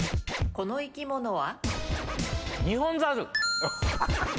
この生き物は？